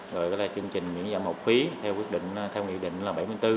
rồi là chương trình miễn giảm hộp phí theo nghị định là bảy mươi bốn